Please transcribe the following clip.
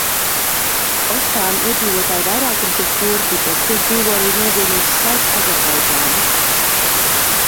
Ostāna iedzīvotāju vairākums ir kurdi, bet tur dzīvo arī nozīmīgs skaits azerbaidžāņu.